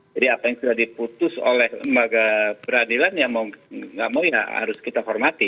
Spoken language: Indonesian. jadi apa yang sudah diputus oleh lembaga peradilan ya nggak mau ya harus kita formati